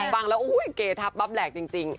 ฟังแล้วเกทับรับแหลกจริง